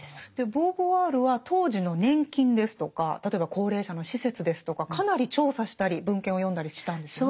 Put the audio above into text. ボーヴォワールは当時の年金ですとか例えば高齢者の施設ですとかかなり調査したり文献を読んだりしたんですよね。